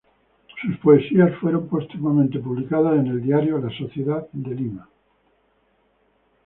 Sus poesías fueron póstumamente publicadas en el diario "La Sociedad" de Lima.